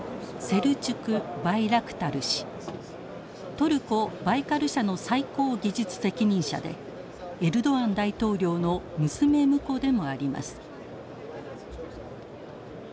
トルコバイカル社の最高技術責任者でエルドアン大統領の娘婿でもあります。